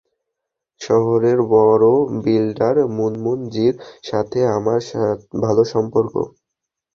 শহরের বড় বিল্ডার, মুনমুন জীর সাথে, আমার ভালো সম্পর্ক।